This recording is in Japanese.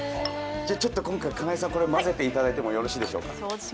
ちょっと今回、金井さん、混ぜていただいてもよろしいでしょうか。